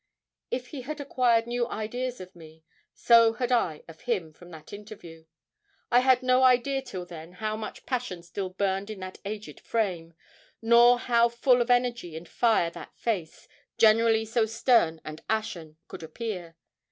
If he had acquired new ideas of me, so had I of him from that interview. I had no idea till then how much passion still burned in that aged frame, nor how full of energy and fire that face, generally so stern and ashen, could appear.